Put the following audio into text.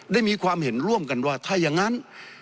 มีความเห็นร่วมกันว่าถ้าอย่างนั้น